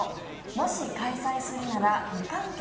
もし開催するなら無観客？